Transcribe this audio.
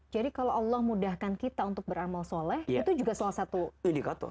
jadi kalau allah mudahkan kita untuk beramal soleh itu juga salah satu indikator